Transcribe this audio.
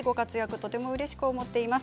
とてもうれしく思っています。